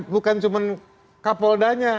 bukan cuma kapoldanya